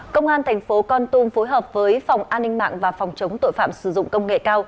công an thành phố con tum phối hợp với phòng an ninh mạng và phòng chống tội phạm sử dụng công nghệ cao